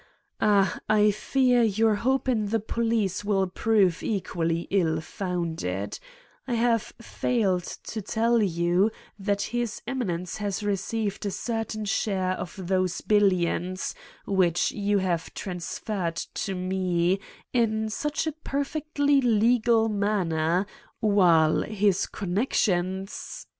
Ah, I fear your hope in the police will prove equally ill founded : I have failed to tell you that His Emi nence has received a certain share of those bil lions which you have transferred to me in such a perfectly legal manner, while his connections